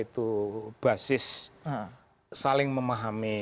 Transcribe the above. itu basis saling memahami